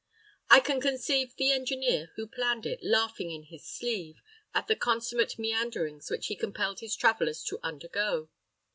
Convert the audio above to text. I can conceive the engineer who planned it laughing in his sleeve at the consummate meanderings which he compelled his travellers to undergo.